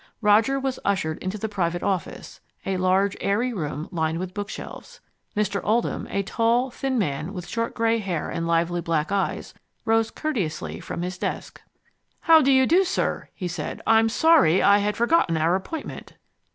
Roger was ushered into the private office, a large, airy room lined with bookshelves. Mr. Oldham, a tall, thin man with short gray hair and lively black eyes, rose courteously from his desk. "How do you do, sir," he said. "I'm sorry, I had forgotten our appointment."